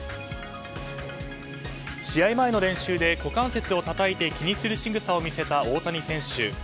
試合前の練習で股関節をたたいて気にするしぐさを見せた大谷選手。